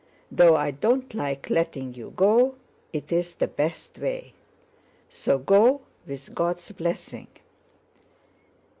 Though I don't like letting you go, it is the best way. So go, with God's blessing!"